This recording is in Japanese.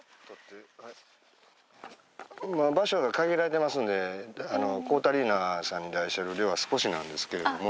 場所が限られてますんでこーたりなさんに出してる量は少しなんですけれども。